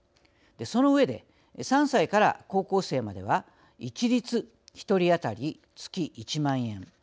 その上で３歳から高校生までは一律１人当たり月１万円。